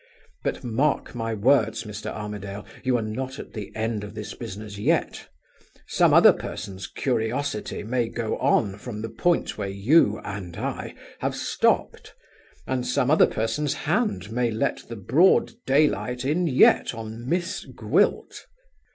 But mark my words, Mr. Armadale, you are not at the end of this business yet. Some other person's curiosity may go on from the point where you (and I) have stopped; and some other person's hand may let the broad daylight in yet on Miss Gwilt.